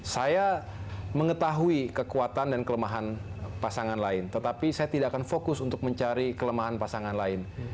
saya mengetahui kekuatan dan kelemahan pasangan lain tetapi saya tidak akan fokus untuk mencari kelemahan pasangan lain